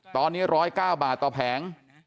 ตอนนี้๑๐๙บาทต่อแผง